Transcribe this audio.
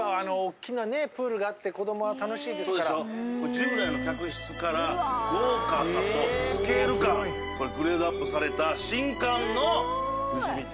従来の客室から豪華さとスケール感グレードアップされた新館の富士見亭